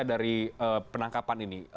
dari penangkapan ini